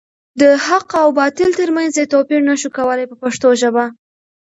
د حق او باطل تر منځ یې توپیر نشو کولای په پښتو ژبه.